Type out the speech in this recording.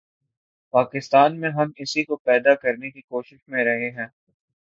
پاکستان میں ہم اسی کو پیدا کرنے کی کوشش میں رہے ہیں۔